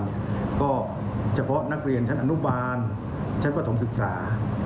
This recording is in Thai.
เฉียบเพราะนักเรียนชั้นอนุวาลเลือดกระถมศึกษา